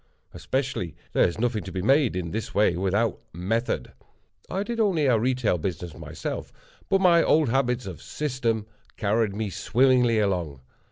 Especially, there is nothing to be made in this way without method. I did only a retail business myself, but my old habits of system carried me swimmingly along.